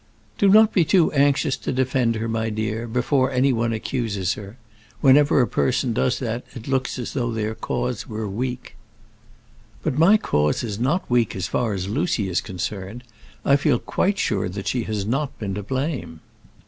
"Do not be too anxious to defend her, my dear, before any one accuses her. Whenever a person does that it looks as though their cause were weak." "But my cause is not weak as far as Lucy is concerned; I feel quite sure that she has not been to blame."